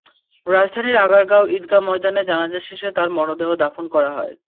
রাজধানীর আগারগাঁও ঈদগাহ ময়দানে জানাজা শেষে তাঁর মরদেহ দাফন করা হয়।